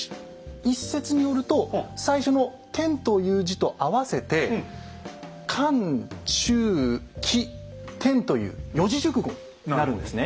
一説によると最初の「天」という字と合わせて「管中窺天」という四字熟語なるんですね。